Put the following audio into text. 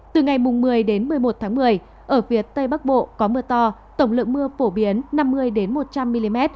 từ ngày một mươi một mươi một tháng một mươi ở phía tây bắc bộ có mưa to tổng lượng mưa phổ biến năm mươi một trăm linh mm